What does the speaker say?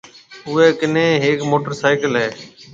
اوئيَ ڪنيَ ھيَََڪ موٽرسائيڪل ھيََََ